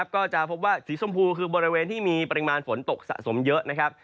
ก็จะพบว่าสีชมพูคือบริเวณที่มีปริมาณฝนตกสะสมเยอะนะครับ